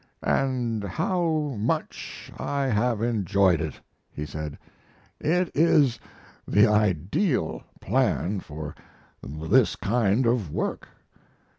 "And how much I have enjoyed it!" he said. "It is the ideal plan for this kind of work.